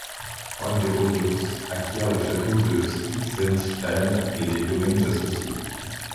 Juan de Hoyos acquiert le château de Stixenstein et les domaines associés.